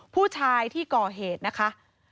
ผู้ชายที่ก่อเหตุนะคะ